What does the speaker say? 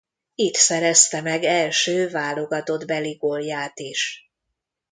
Itt szerezte meg első válogatottbeli gólját is.